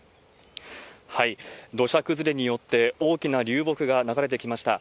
土砂崩れによって、大きな流木が流れてきました。